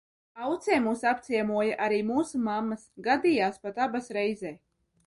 Aucē mūs apciemoja arī mūsu mammas, gadījās pat abas reizē.